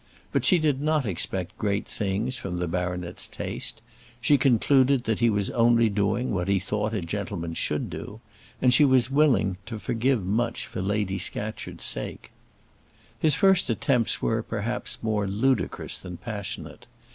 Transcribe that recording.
But she did not expect great things from the baronet's taste: she concluded that he was only doing what he thought a gentleman should do; and she was willing to forgive much for Lady Scatcherd's sake. His first attempts were, perhaps, more ludicrous than passionate.